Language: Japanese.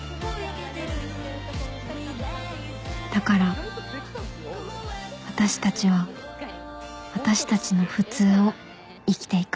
だから私たちは私たちの普通を生きて行く